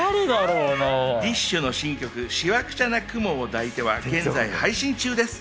ＤＩＳＨ／／の新曲『しわくちゃな雲を抱いて』は現在配信中です。